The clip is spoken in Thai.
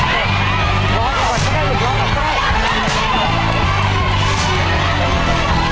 ร้อนกว่าจะได้หลุดร้อนกว่าไม่